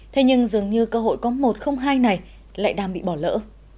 thế nhưng dường như cơ hội có một không hai này lại đang bị bỏ lỡ